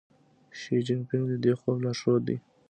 شي جین پینګ د دې خوب لارښود دی.